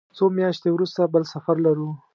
څو میاشتې وروسته بل سفر لرو.